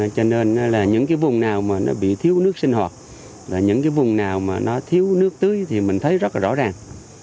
cho nên là những cái vùng nào mà nó bị thiếu nước sinh hoạt là những cái vùng nào mà nó thiếu nước tưới thì mình thấy rất là rõ ràng